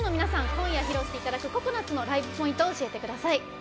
今夜、披露していただく「ＣＯＣＯＮＵＴ」のライブポイントを教えてください。